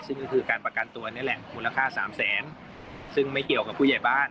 ซึ่งก็คือการประกันตัวนี่แหละมูลค่าสามแสนซึ่งไม่เกี่ยวกับผู้ใหญ่บ้าน